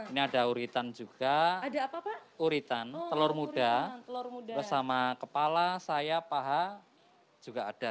ini ada uritan juga uritan telur muda bersama kepala saya paha juga ada